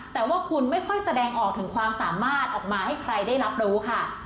แต่ว่าคุณไม่ค่อยแสดงออกถึงความสามารถออกมาให้ใครได้รับรู้ค่ะ